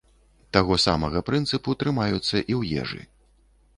Таго самага прынцыпу трымаюцца і ў ежы.